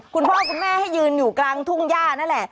คุณพ่อคุณแม่ให้ยืนอยู่กลางทุ่งย่านั่นแหละ